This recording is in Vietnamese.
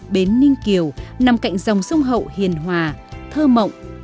bến ninh kiều nằm cạnh dòng sông hậu hiền hòa thơ mộng